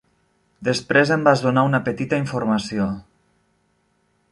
Després em vas donar una petita informació.